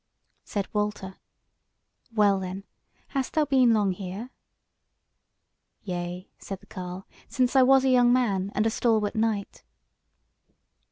Said Walter: "Well then, hast thou been long here?" "Yea," said the carle, "since I was a young man, and a stalwarth knight."